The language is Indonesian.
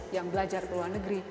yang belajar ke luar negeri